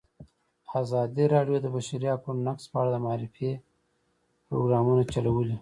ازادي راډیو د د بشري حقونو نقض په اړه د معارفې پروګرامونه چلولي.